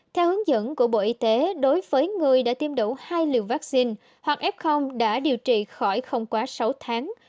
theo hướng dẫn của bộ y tế đối với người đã tiêm đủ hai liều vaccine hoặc f đã điều trị khỏi không quá sáu tháng